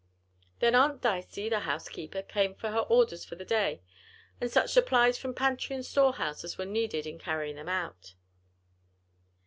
Then Aunt Dicey, the housekeeper, came for her orders for the day, and such supplies from pantry and storehouse as were needed in carrying them out.